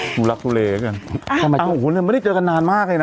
กูรักทุเลกันทำไมโอ้โหเนี่ยไม่ได้เจอกันนานมากเลยนะ